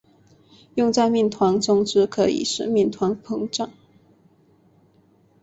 用在面团中则可以使面团膨胀。